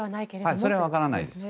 それは分からないです。